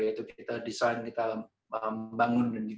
yaitu kita desain kita membangun